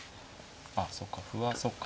あそうか歩はそうか。